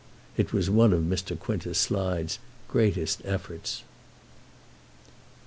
It was one of Mr. Quintus Slide's greatest efforts.